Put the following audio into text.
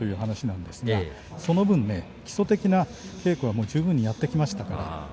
基礎的な稽古は十分にやってきました。